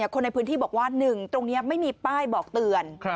คนในพื้นที่บอกว่า๑ตรงนี้ไม่มีป้ายบอกเตือน